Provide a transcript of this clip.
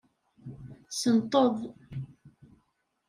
Senteḍ.